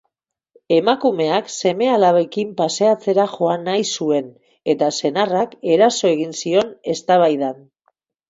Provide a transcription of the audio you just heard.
Emakumeak seme-alabekin paseatzera joan nahi zuen, eta senarrak eraso egin zion eztabaidan.